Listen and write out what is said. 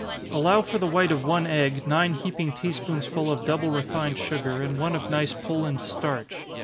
_ Allow for the white of one egg nine heaping tea spoonsful of double refined sugar, and one of nice Poland starch.